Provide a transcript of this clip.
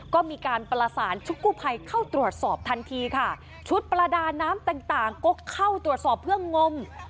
ก็มีการประสานชุดกู้ภัยเข้าตรวจสอบทันทีค่ะชุดประดาน้ำต่างต่างก็เข้าตรวจสอบเพื่องม